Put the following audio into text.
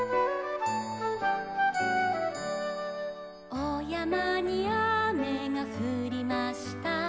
「おやまにあめがふりました」